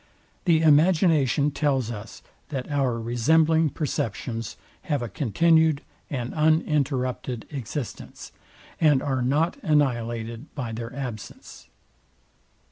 The imagination tells us, that our resembling perceptions have a continued and uninterrupted existence, and are not annihilated by their absence.